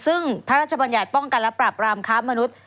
ซึ่งพระราชบัญญัติป้องกันและปราบรามค้ามนุษย์